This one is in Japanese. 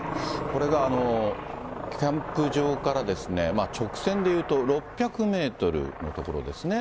これがキャンプ場から直線でいうと６００メートルの所ですね。